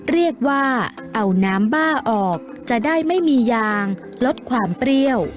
เรียกว่าเอาน้ำบ้าออกจะได้ไม่มียางลดความเปรี้ยว